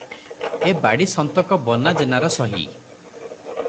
ଏ ବାଡ଼ି ସନ୍ତକ ବନା ଜେନାର ସହି ।